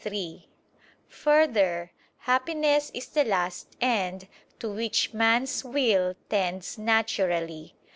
3: Further, happiness is the last end, to which man's will tends naturally.